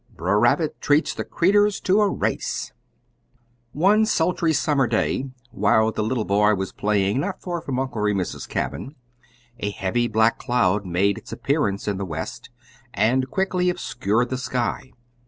BRER RABBIT TREATS THE CREETURS TO A RACE One sultry summer day, while the little boy was playing not far from Uncle Remus's cabin, a heavy black cloud made its appearance in the west, and quickly obscured the sky.